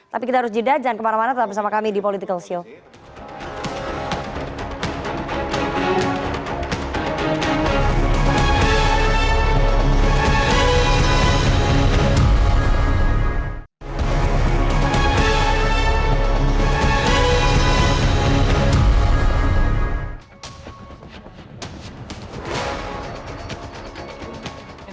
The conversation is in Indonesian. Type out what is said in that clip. tapi kita harus jeda jangan kemana mana tetap bersama kami di politikalshow